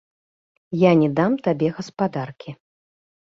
Я не дам табе гаспадаркі.